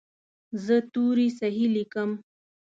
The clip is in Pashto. زه توري صحیح لیکم.